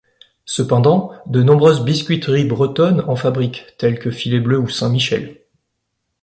Cependant, de nombreuses biscuiteries bretonnes en fabriquent, tels que Filet Bleu ou Saint-Michel.